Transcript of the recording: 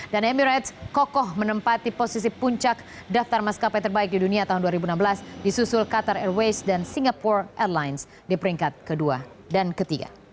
dan emirates kokoh menempati posisi puncak daftar maskapai terbaik di dunia tahun dua ribu enam belas di susul qatar airways dan singapore airlines di peringkat ke dua dan ke tiga